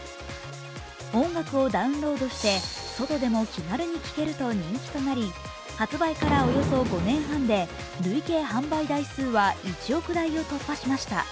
音楽をダウンロードして外でも気軽に聴けると人気となり、発売からおよそ５年半で累計販売台数は１億台を突破しました。